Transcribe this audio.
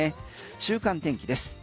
週間天気です。